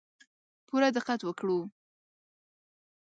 پوره دقت وکړو.